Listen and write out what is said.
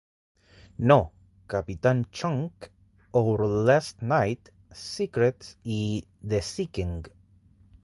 No, Captain Chunk!, Our Last Night, Secrets, y The Seeking.